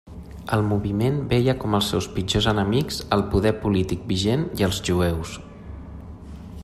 El moviment veia com els seus pitjors enemics el poder polític vigent i els jueus.